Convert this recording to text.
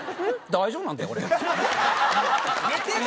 「大丈夫なんだよ」。